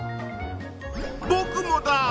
ぼくもだ！